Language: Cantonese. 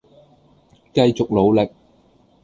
繼續努力